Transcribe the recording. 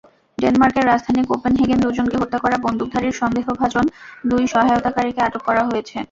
ডেনমার্কের রাজধানী কোপেনহেগেনে দুজনকে হত্যা করা বন্দুকধারীর সন্দেহভাজন দুই সহায়তাকারীকে আটক করা হয়েছে।